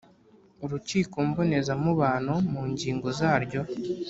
urukiko mboneza mubano mu ngingo zaryo